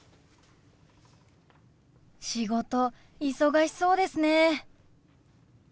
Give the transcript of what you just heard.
仕事忙しそうですね。